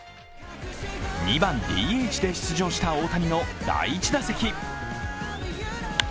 ２番・ＤＨで出場した大谷の第１打席。